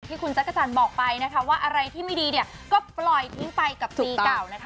คุณจักรจันทร์บอกไปนะคะว่าอะไรที่ไม่ดีเนี่ยก็ปล่อยทิ้งไปกับปีเก่านะคะ